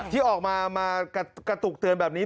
ที่ออกมากระตุกเตือนแบบนี้